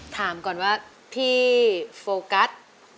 ถามก่อนว่าที่โฟกัส